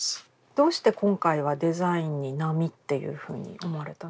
どうして今回はデザインに波っていうふうに思われたんですか？